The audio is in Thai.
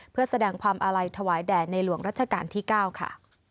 เพื่อแสดงความอาลัยถวายแด่ในหลวงรัชกาลที่๙ค่ะ